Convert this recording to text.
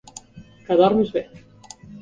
Que dormis bé.